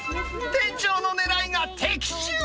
店長のねらいが的中。